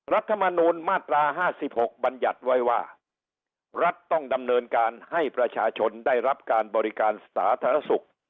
รัฐมนูลมาตรา๕๖บรรยัติไว้ว่ารัฐต้องดำเนินการให้ประชาชนได้รับการบริการสาธารณสุข